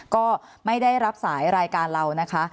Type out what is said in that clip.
ก็ไม่ได้รับสายรายการเรานะคะ